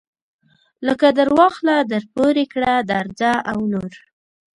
لکه درواخله درپورې کړه درځه او نور.